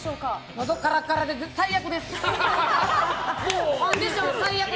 喉カラカラで最悪です！